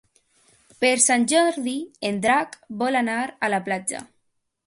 Per Sant Jordi en Drac vol anar a la platja.